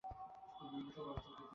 কেন, আমাদের মেয়ে কি খারাপ?